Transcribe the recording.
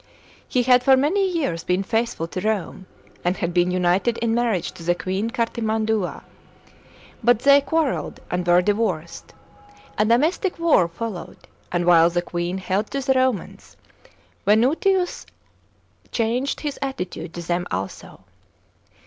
He had for many years been faithful to Rome, and had been united in marriage to the queen Cartimand'ia. But they quarrelled and were divotdd; a domestic war followed, and while the queen held to the Romans, Venutius c anged his attitude to them also.